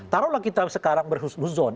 taruhlah kita sekarang berhuzon